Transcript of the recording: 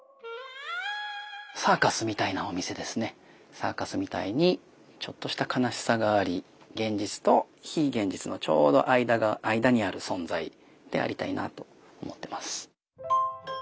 サーカスみたいにちょっとした悲しさがあり現実と非現実のちょうど間にある存在でありたいなと思ってます。